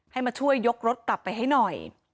ให้มาช่วยยกรถกลับไปให้หน่อย